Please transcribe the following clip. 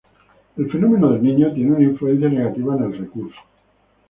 El fenómeno del Niño tiene una influencia negativa en el recurso.